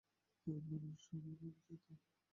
আমরা সবাই মরে যেতাম।